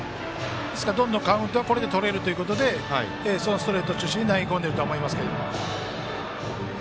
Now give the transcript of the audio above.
ですからどんどんカウントをとれるということでそのストレートを中心に投げ込んでいると思います。